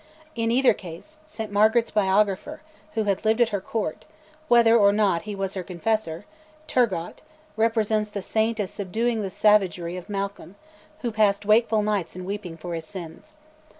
In either case, St Margaret's biographer, who had lived at her Court, whether or not he was her Confessor, Turgot, represents the Saint as subduing the savagery of Malcolm, who passed wakeful nights in weeping for his sins.